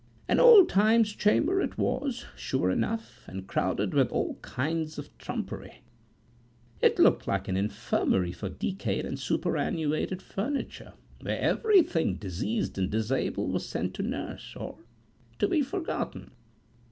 An old times chamber it was, sure enough, and crowded with all kinds of trumpery. It looked like an infirmary for decayed and superannuated furniture; where everything diseased and disabled was sent to nurse, or to be forgotten.